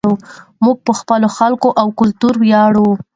موږ په خپلو خلکو او کلتور ویاړو.